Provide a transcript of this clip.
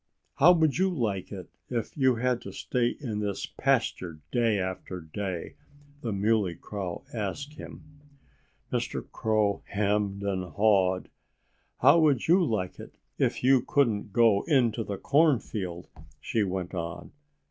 "How would you like it if you had to stay in this pasture day after day?" the Muley Cow asked him. Mr. Crow hemmed and hawed. "How would you like it if you couldn't go into the cornfield?" she went on.